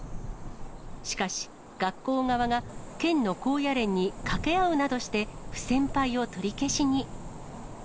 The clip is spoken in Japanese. しかし、学校側が県の高野連に掛け合うなどして、不戦敗を取り消しに。